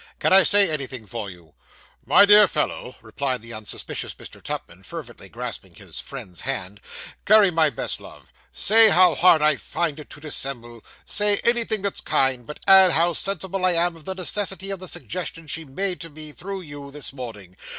Can I say anything for you?' 'My dear fellow,' replied the unsuspicious Mr. Tupman, fervently grasping his 'friend's' hand 'carry my best love say how hard I find it to dissemble say anything that's kind: but add how sensible I am of the necessity of the suggestion she made to me, through you, this morning.